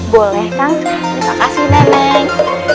boleh kang terima kasih nenek